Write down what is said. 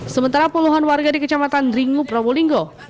sementara puluhan warga di kecamatan ringu prabu linggo